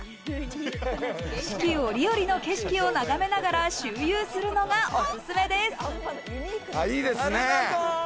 四季折々の景色を眺めながら周遊するのがおすすめです。